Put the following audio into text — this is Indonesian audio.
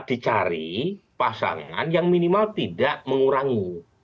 dicari pasangan yang minimal tidak mengurangi